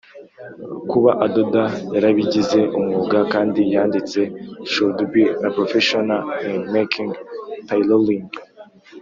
Kuba adoda yarabigize umwuga kandi yanditse Should be a professional in making tailoring